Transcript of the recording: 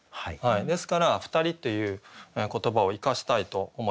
ですから「ふたり」っていう言葉を生かしたいと思います。